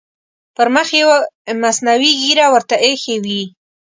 پر مخ یې مصنوعي ږیره ورته اېښې وي.